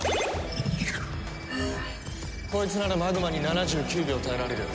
こいつならマグマに７９秒耐えられる。